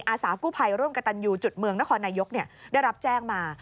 อาสากู้ภัยร่วมกับตันยูจุดเมืองนครนายกได้รับแจ้งมา